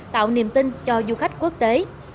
tạo niềm tin cho du khách quốc tế